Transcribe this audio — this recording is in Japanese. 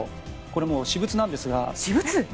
これ、私物なんですが。